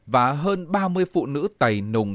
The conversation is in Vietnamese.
và hơn ba mươi phụ nữ tầy nùng